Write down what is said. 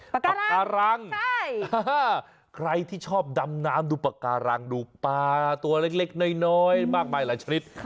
ปากการังใครที่ชอบดำน้ำดูปากการังดูปลาตัวเล็กน้อยมากมายหลายชนิด